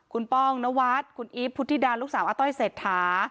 คุณป้องนวัสคุณอิ๊บพุธิดันลูกสาวอ้าต้อยเสร็จถา